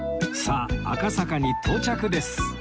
さあ赤坂に到着です